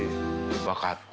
分かった？